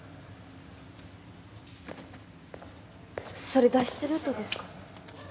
それ脱出ルートですか？